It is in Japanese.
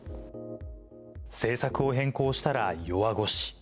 政策を変更したら弱腰。